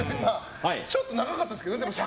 ちょっと長かったですけどね。